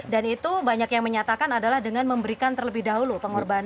dan itu banyak yang menyatakan adalah dengan memberikan terlebih dahulu pengorbanan